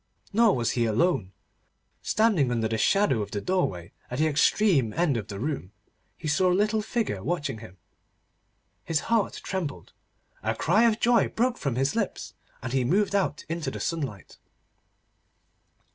Nor was he alone. Standing under the shadow of the doorway, at the extreme end of the room, he saw a little figure watching him. His heart trembled, a cry of joy broke from his lips, and he moved out into the sunlight.